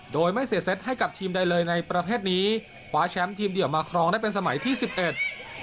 โดยไม่เสียเซตให้กับทีมใดเลยในประเภทนี้คว้าแชมป์ทีมเดี่ยวมาครองได้เป็นสมัยที่สิบเอ็ด